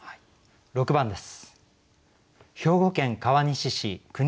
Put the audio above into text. ６番です。